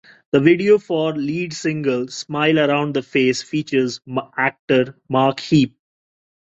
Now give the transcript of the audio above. The video for lead single "Smile Around the Face" features actor Mark Heap.